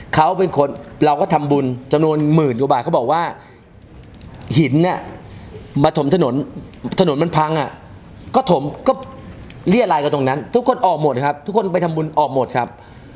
เขาเป็นคนเราก็ทำบุญจำนวนหมื่นกว่าบาทเขาบอกว่าหินเนี่ยมาถมถนนถนนมันพังอ่ะก็ถมก็เรียรายกันตรงนั้นทุกคนออกหมดครับทุกคนไปทำบุญออกหมดครับ